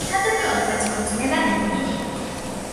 თავდაპირველად მათი ქორწინება ბედნიერი იყო.